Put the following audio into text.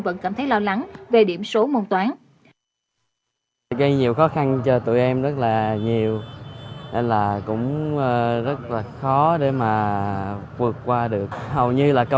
vẫn cảm thấy lo lắng về điểm số môn toán